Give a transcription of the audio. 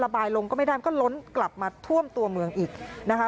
บายลงก็ไม่ได้มันก็ล้นกลับมาท่วมตัวเมืองอีกนะคะ